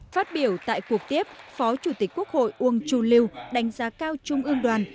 phát biểu tại cuộc tiếp phó chủ tịch quốc hội uông chu lưu đánh giá cao trung ương đoàn